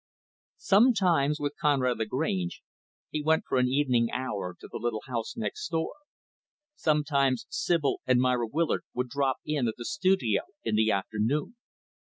Sometimes, with Conrad Lagrange, he went for an evening hour to the little house next door. Sometimes Sibyl and Myra Willard would drop in at the studio, in the afternoon.